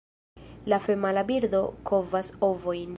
La femala birdo kovas ovojn.